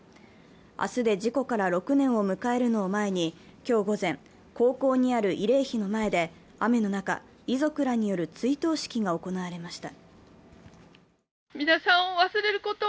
明日で事故から６年を迎えるのを前に今日午前、高校にある慰霊碑の前で雨の中、遺族らによる追悼式が行われました。